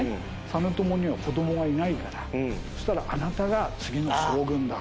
実朝には子どもはいないからそしたらあなたが次の将軍だ。